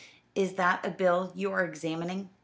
"Is that a bill you are examining?